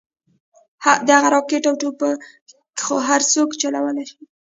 دغه راكټ او ټوپكې خو هرسوك چلوې شي.